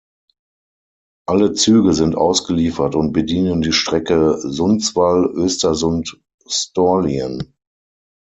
Alle Züge sind ausgeliefert und bedienen die Strecke Sundsvall–Östersund–Storlien.